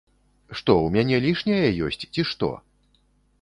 Што, у мяне лішняе ёсць, ці што?